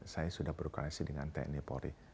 saya sudah berkoalisi dengan tni polri